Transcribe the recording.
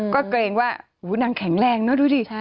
ก็เกรงว่านางแข็งแรงเนอะดูดิ